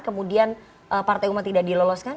kemudian partai umat tidak diloloskan